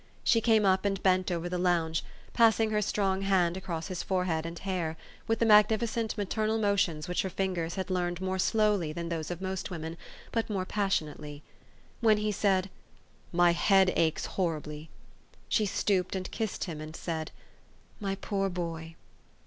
She came up, and bent over the lounge, passing her strong hand across his forehead and hair, with the magnificent, maternal motions which her fingers had learned more slowly than those THE STOKY OF AVIS. 321 of most women, but more passionately. When he said, "My head aches horribly !" she stooped and kissed him, and said, " My poor boy